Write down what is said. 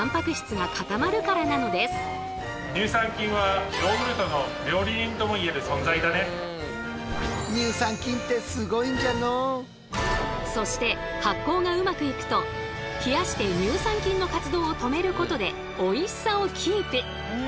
この働きが乳酸発酵と呼ばれそして発酵がうまくいくと冷やして乳酸菌の活動を止めることでおいしさをキープ。